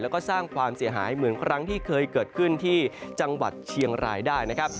แล้วก็สร้างความเสียหายเหมือนครั้งที่เคยเกิดขึ้นที่จังหวัดเชียงรายได้นะครับ